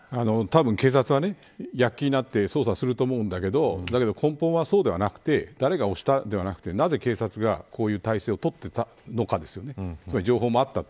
たぶん警察は、やっきになって捜査をすると思いますが根本はそうではなく誰が押したではなくなぜ警察がこういう体制を取っていたのかです。